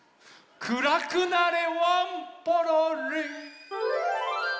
くらくなれワンポロリン！